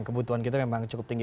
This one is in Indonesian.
kebutuhan kita memang cukup tinggi